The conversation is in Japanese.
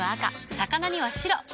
魚には白。